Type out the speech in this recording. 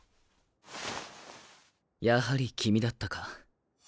やはり君だったか。